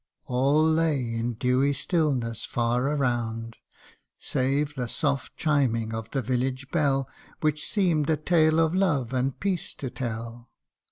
All lay in dewy stillness far around, Save the soft chiming of the village bell, Which seem'd a tale of love and peace to tell.